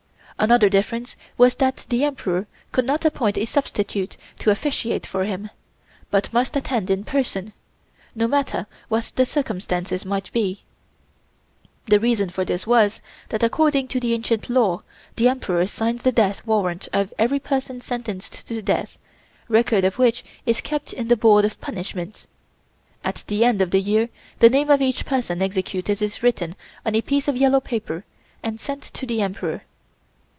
Another difference was that the Emperor could not appoint a substitute to officiate for him; but must attend in person, no matter what the circumstances might be. The reason for this was, that according to the ancient law, the Emperor signs the death warrant of every person sentenced to death, record of which is kept in the Board of Punishments. At the end of the year the name of each person executed is written on a piece of yellow paper and sent to the Emperor.